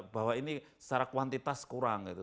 bahwa ini secara kuantitas kurang gitu